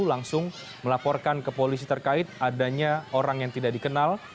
langsung melaporkan ke polisi terkait adanya orang yang tidak dikenal